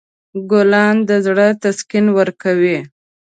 ګلان د زړه تسکین ورکوي.